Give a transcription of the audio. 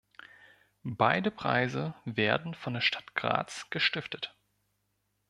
Beide Preise werden von der Stadt Graz gestiftet.